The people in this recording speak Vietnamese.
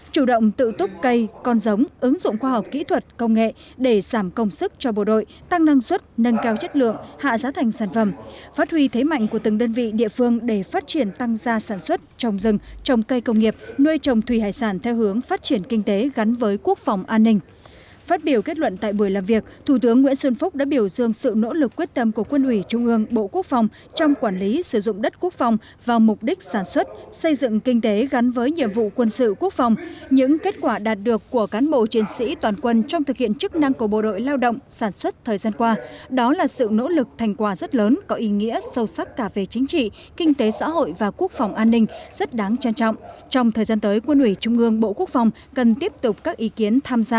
tự động tự túc cây con giống ứng dụng khoa học kỹ thuật công nghệ để giảm công sức cho bộ đội tăng năng suất nâng cao chất lượng hạ giá thành sản phẩm phát huy thế mạnh của từng đơn vị địa phương để phát triển tăng gia sản xuất trồng rừng trồng cây công nghiệp nuôi trồng thủy hải sản theo hướng phát triển kinh tế gắn với thực hiện nhiệm vụ quốc phòng trong hoạt động sản xuất trồng rừng trồng cây công nghiệp nuôi trồng thủy hải sản theo hướng phát triển kinh tế gắn với thực hiện nhiệm vụ quốc phòng trong hoạt động sản xuất